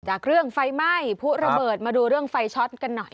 เรื่องไฟไหม้ผู้ระเบิดมาดูเรื่องไฟช็อตกันหน่อย